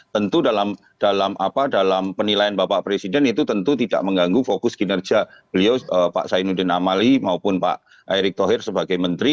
tentu dalam penilaian bapak presiden itu tentu tidak mengganggu fokus kinerja beliau pak zainuddin amali maupun pak erick thohir sebagai menteri